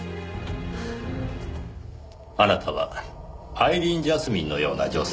あなたはアイリーンジャスミンのような女性ですねぇ。